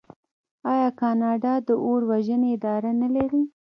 آیا کاناډا د اور وژنې اداره نلري؟